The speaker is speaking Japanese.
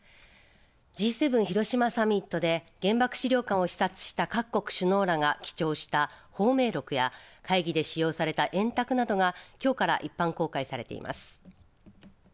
Ｇ７広島サミットで原爆資料館を視察した各国首脳らが記帳した芳名録や会議で使用された円卓などがきょうから一般公開されています。